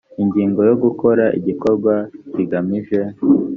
ingingo ya gukora igikorwa kigamije